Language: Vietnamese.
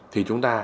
thì chúng ta